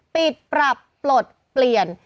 ปรับปลดเปลี่ยน